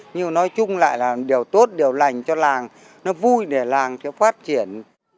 nhưng mà nói chung lại là điều tốt điều lành cho làng nó vui để làng phát triển